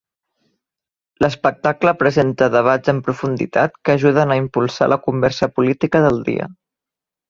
L'espectacle presenta debats en profunditat que ajuden a impulsar la conversa política del dia.